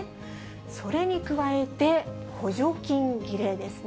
それに加えて補助金切れですね。